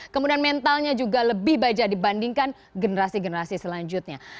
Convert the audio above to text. kemudian mentalnya juga lebih baja dibandingkan generasi generasi selanjutnya